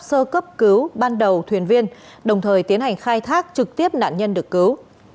sơ cấp cứu ban đầu thuyền viên đồng thời tiến hành khai thác trực tiếp nạn nhân được cứu